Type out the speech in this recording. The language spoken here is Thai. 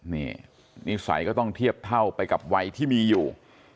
นี่นิสัยก็ต้องเทียบเท่าไปกับวัยที่มีอยู่